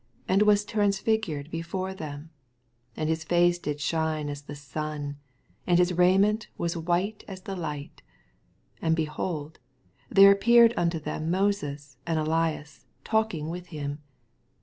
2 And was transflffured before them : and his fistce did shine as the sun, and his raiment was white as the light. 8 And, behold, there appeared unto them Moses ana Ellas talking with him.